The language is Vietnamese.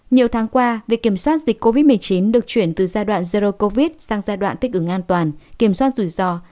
nhiều tháng qua việc kiểm soát dịch covid một mươi chín được chuyển từ giai đoạn zero covid sang giai đoạn tích ứng an toàn kiểm soát rủi ro